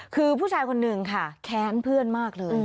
คือผู้ชายคนหนึ่งค่ะแค้นเพื่อนมากเลย